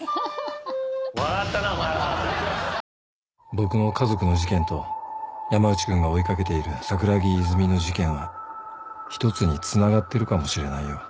僕の家族の事件と山内君が追い掛けている桜木泉の事件は一つにつながってるかもしれないよ。